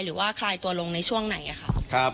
หรือว่าคลายตัวลงในช่วงไหนนะครับ